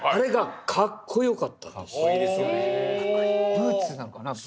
ブーツなのかな。